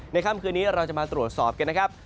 ค่ำคืนนี้เราจะมาตรวจสอบกันนะครับ